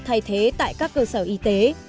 thay thế tại các cơ sở y tế